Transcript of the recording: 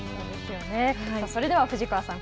それでは藤川さん